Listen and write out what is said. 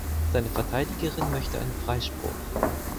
Seine Verteidigerin möchte einen Freispruch.